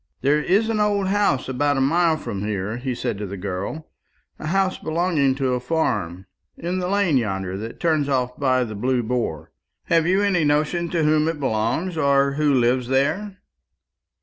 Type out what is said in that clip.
"There is an old house about a mile from here," he said to the girl; "a house belonging to a farm, in the lane yonder that turns off by the Blue Boar. Have you any notion to whom it belongs, or who lives there?"